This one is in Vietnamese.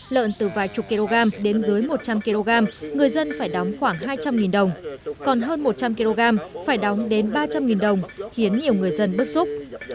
lợn từ vài chục kg đến dưới một trăm linh kg người dân phải đóng khoảng hai trăm linh đồng còn hơn một trăm linh kg phải đóng đến ba trăm linh đồng khiến nhiều người dân bức xúc